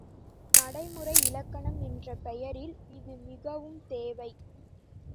நடைமுறை இலக்கணம் என்ற பெயரில் இது மிகவும் தேவை.